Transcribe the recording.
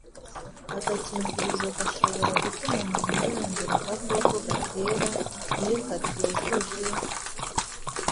Agakingirizo gashobora gutuma umuntu yandura agakoko gatera iyo katujuje ...